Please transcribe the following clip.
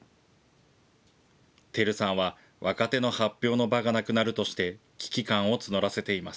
ＴＥＲＵさんは若手の発表の場がなくなるとして、危機感を募らせています。